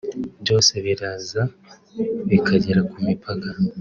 byose biraza bikagera ku mipaka